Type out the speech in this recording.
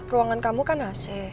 ruangan kamu kan ac